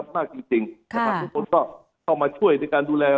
มากจริงนะครับทุกคนก็เข้ามาช่วยในการดูแล